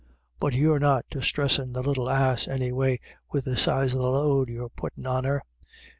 But you're not distressin' the little ass any way with the size of the load you're puttin' on her."